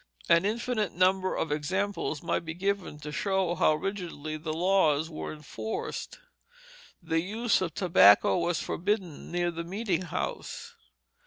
An infinite number of examples might be given to show how rigidly the laws were enforced. The use of tobacco was forbidden near the meeting house.